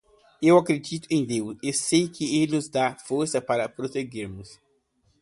Eu acredito em Deus e sei que Ele nos dará forças para prosseguirmos.